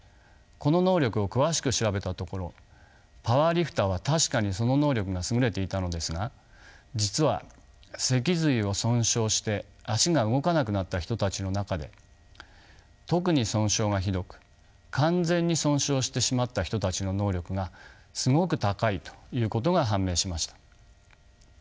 この能力を詳しく調べたところパワーリフターは確かにその能力が優れていたのですが実は脊髄を損傷して足が動かなくなった人たちの中で特に損傷がひどく完全に損傷してしまった人たちの能力がすごく高いということが判明しました。